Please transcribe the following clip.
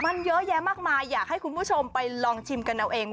มันเยอะแยะมากมายอยากให้คุณผู้ชมไปลองชิมกันเอาเอง